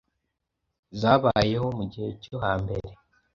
zabayeho mu gihe cyo hambere